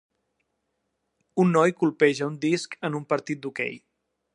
un noi colpeja un disc en un partit d'hoquei.